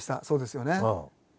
そうですよね。